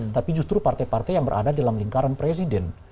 tapi justru partai partai yang berada dalam lingkaran presiden